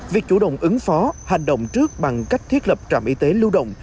việc chủ động ứng phó hành động trước bằng cách thiết lập trạm y tế lưu động